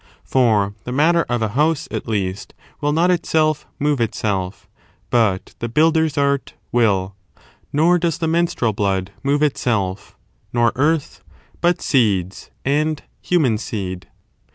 for the matter of a house, at least, will not itself move itself, but the builder's art will ; nor does the menstrual blood move itself, nor earth, but seeds, and human seed.